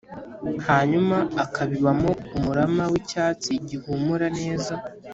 hanyuma akabibamo umurama w’icyatsi gihumura neza,